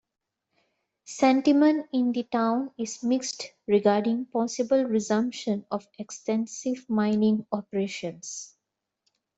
Sentiment in the town is mixed regarding possible resumption of extensive mining operations.